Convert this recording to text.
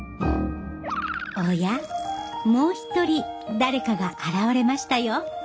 おやもう一人誰かが現れましたよ。